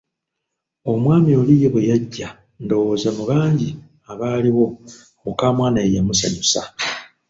Omwami oli ye bwe yajja ndowooza mu bangi abaaliwo mukamwana yeyamusanyusa.